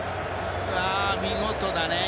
見事だね。